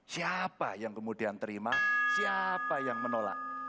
siapa yang kemudian terima siapa yang menolak